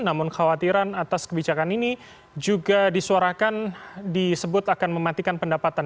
namun khawatiran atas kebijakan ini juga disuarakan disebut akan mematikan pendapatan